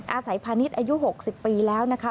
พาณิชย์อายุ๖๐ปีแล้วนะคะ